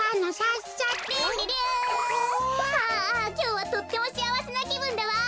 きょうはとってもしあわせなきぶんだわ。